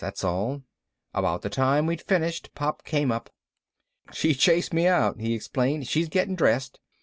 That's all. About the time we'd finished, Pop came up. "She chased me out," he explained. "She's getting dressed.